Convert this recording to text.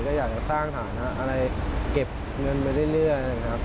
ก็อยากจะสร้างฐานะอะไรเก็บเงินไปเรื่อยนะครับ